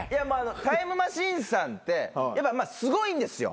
タイムマシーンさんってすごいんですよ。